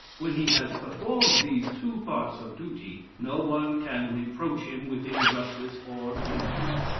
When he has performed these two parts of duty, no one can reproach him with injustice or injury.